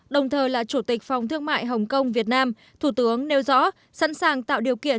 đồng thời là chủ tịch phòng thương mại hồng kông việt nam thủ tướng nêu rõ sẵn sàng tạo điều kiện